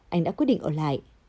anh đã quyết định ở lại